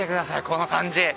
この感じ